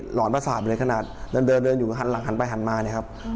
หอนประสาทอยู่เลยขนาดเดินเดินอยู่หันหลังหันไปหันมาเนี่ยครับ